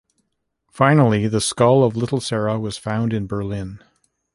Finally, the skull of little Sara was found in Berlin.